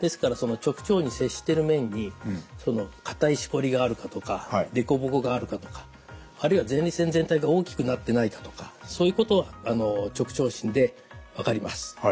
ですからその直腸に接してる面に硬いしこりがあるかとか凸凹があるかとかあるいは前立腺全体が大きくなってないかとかそういうことは直腸診で分かります。